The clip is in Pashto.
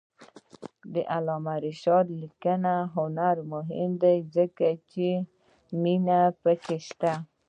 د علامه رشاد لیکنی هنر مهم دی ځکه چې مینه پکې شته.